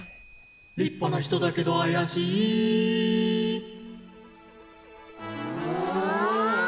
「立派な人だけどあやしい」うわ。